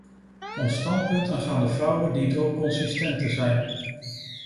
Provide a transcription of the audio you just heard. Ons standpunt aangaande vrouwen dient ook consistent te zijn.